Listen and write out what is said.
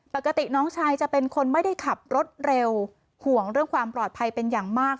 ปกติน้องชายจะเป็นคนไม่ได้ขับรถเร็วห่วงเรื่องความปลอดภัยเป็นอย่างมาก